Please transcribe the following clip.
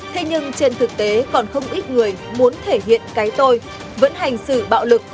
thế nhưng trên thực tế còn không ít người muốn thể hiện cái tôi vẫn hành xử bạo lực